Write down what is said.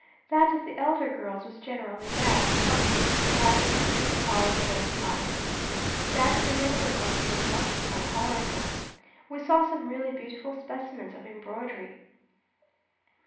That of the elder girls was generally bad, probably from their having entered the college late in life. That of the younger ones was much more tolerable. We saw some really beautiful specimens of embroidery.